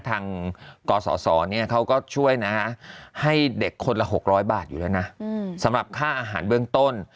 กศเขาก็ช่วยนะฮะให้เด็กคนละ๖๐๐บาทอยู่แล้วนะสำหรับค่าอาหารเบื้องต้น